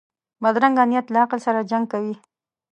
بدرنګه نیت له عقل سره جنګ کوي